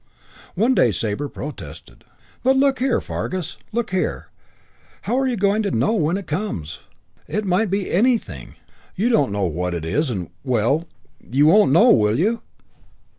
One day Sabre protested. "But look here, Fargus. Look here, how are you going to know when it comes? It might be anything. You don't know what it is and well, you won't know, will you?"